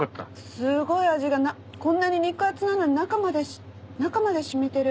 すごい味がこんなに肉厚なのに中まで染みてる。